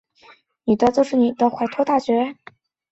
怀卡托大学位于纽西兰汉密尔顿市和陶朗加地区。